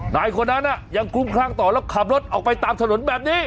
นายคนนั้นยังคลุมคลั่งต่อแล้วขับรถออกไปตามถนนแบบนี้